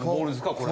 これ。